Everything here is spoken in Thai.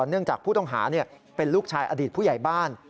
เนื่องจากผู้ต้องหาเป็นลูกชายอดีตผู้ใหญ่บ้าน